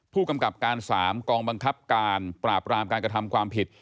ผู้กำกับการ๓กองบังคับการปราบรามการกระทำความผิด